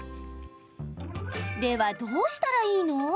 では、どうしたらいいの？